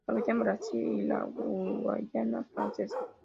Habita en Brasil y la Guayana Francesa.